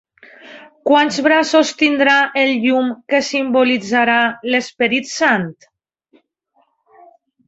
Quants braços tindrà el llum que simbolitzarà l'Esperit Sant?